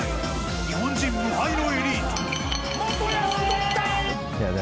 日本人無敗のエリート。